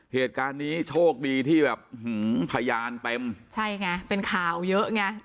เหตุการณ์นี้โชคดีที่แบบหือพยานเต็มใช่ไงเป็นข่าวเยอะไง